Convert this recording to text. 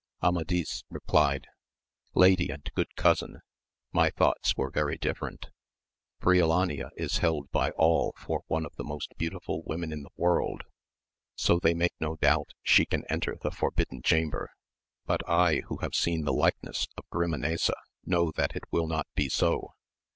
Amadis replied, Lady and good cousin, my thoughts were very different. Briolania is held by all for one of the most beautiful women in the world, 80 they make no doubt she can enter the Forbidden Chamber, but I who have seen the likeness of Grimanesa know that it will not be so.